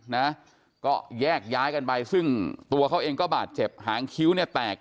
นะก็แยกย้ายกันไปซึ่งตัวเขาเองก็บาดเจ็บหางคิ้วเนี่ยแตก